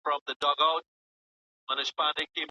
بیله شکه چي الله تعالی عليم او خبير دی.